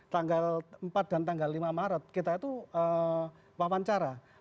tanggal empat dan tanggal lima maret kita itu wawancara